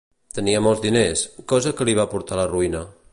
Tenia molts diners, cosa que li va portar la ruïna.